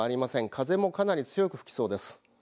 風もかなり強く吹きそうです。